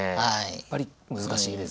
やっぱり難しいですよね。